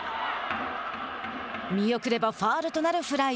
見送ればファウルとなるフライ。